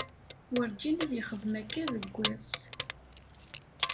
Werǧin ad yexdem akka deg ass.